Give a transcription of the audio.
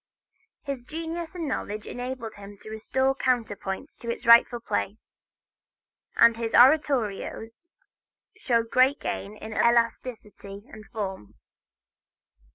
His genius and knowledge enabled him to restore counterpoint to its rightful place, and his oratorios show great gain in elasticity and form.